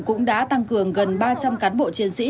cũng đã tăng cường gần ba trăm linh cán bộ chiến sĩ